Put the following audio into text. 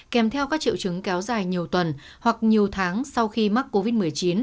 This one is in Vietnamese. kèm theo các triệu chứng kéo dài nhiều tuần hoặc nhiều tháng sau khi mắc covid một mươi chín